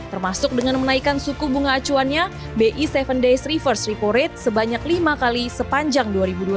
termasuk dengan menaikkan suku bunga acuannya bi tujuh days reverse repo rate sebanyak lima kali sepanjang dua ribu dua puluh satu